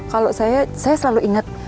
kalau saya saya selalu ingat